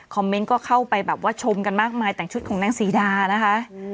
เมนต์ก็เข้าไปแบบว่าชมกันมากมายแต่งชุดของนางศรีดานะคะ